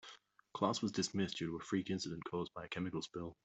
Class was dismissed due to a freak incident caused by a chemical spill.